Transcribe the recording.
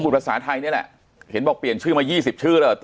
พูดภาษาไทยเนี้ยแหละเห็นบอกเปลี่ยนชื่อมายี่สิบชื่อแล้ว